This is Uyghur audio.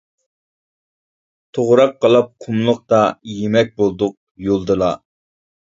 توغراق قالاپ قۇملۇقتا، يېمەك بولدۇق يولدىلا.